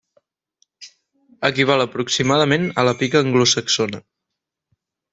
Equival aproximadament a la pica anglosaxona.